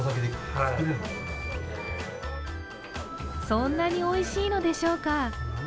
そんなにおいしいのでしょうか。